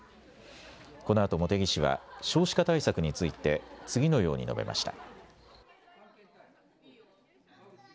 このあと茂木氏は少子化対策について次のように述べました。